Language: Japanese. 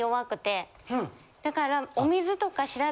だから。